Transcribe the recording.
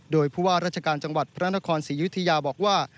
โดยผู้ว่าราชการจังหวัดพระนครศรียุธยาบอกว่า